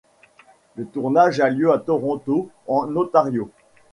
Le tournage a lieu à Toronto, en Ontario.